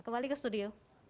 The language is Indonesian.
kembali ke studio